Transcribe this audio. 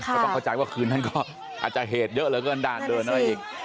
ก็ต้องเข้าใจว่าคืนนั้นก็อาจจะเหตุเยอะเหลือเกินด่านเดินอะไรอีก